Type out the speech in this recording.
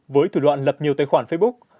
với thủ đoạn lập nhiều tài khoản facebook